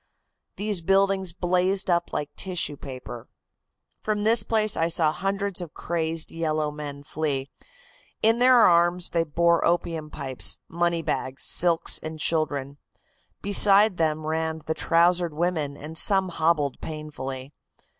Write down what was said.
These buildings blazed up like tissue paper. "From this place I saw hundreds of crazed yellow men flee. In their arms they bore opium pipes, money bags, silks and children. Beside them ran the trousered women and some hobbled painfully.